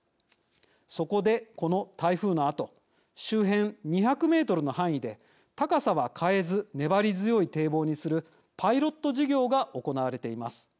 そこで、この台風のあと周辺２００メートルの範囲で高さは変えず粘り強い堤防にするパイロット事業が行われています。